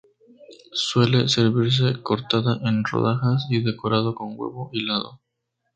Suele servirse cortada en rodajas y decorado con huevo hilado.